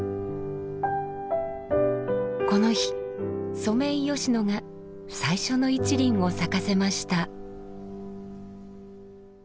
この日ソメイヨシノが最初の一輪を咲かせました。